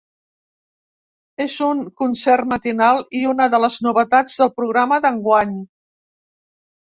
És un concert matinal i una de les novetats del programa d’enguany.